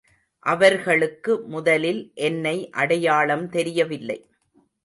அவர்களுக்கு முதலில் என்னை அடையாளம் தெரியவில்லை.